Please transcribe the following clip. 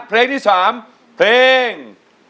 เพลงที่๓เพลง